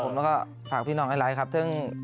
แล้วก็ฝากพี่น้องไอลาคตเลย